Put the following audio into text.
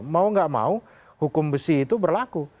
mau nggak mau hukum besi itu berlaku